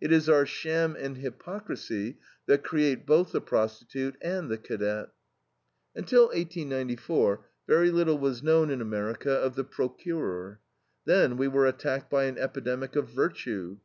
It is our sham and hypocrisy that create both the prostitute and the cadet. Until 1894 very little was known in America of the procurer. Then we were attacked by an epidemic of virtue.